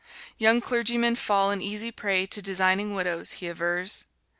Young clergymen fall an easy prey to designing widows, he avers.